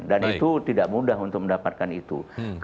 dan itu tidak mudah untuk mendapatkan itu